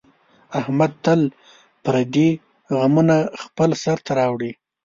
احمد تل پردي غمونه خپل سر ته راوړي.